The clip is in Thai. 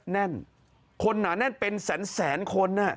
แน่นคนหนาแน่นเป็นแสนคน